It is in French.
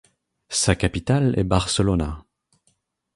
Sa capitale est Barcelona.